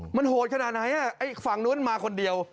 มันโหดขนาดไหนไอ้ฝั่งนู้นมาคนเดียว